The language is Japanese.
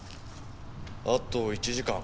あと１時間。